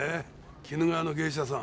鬼怒川の芸者さん。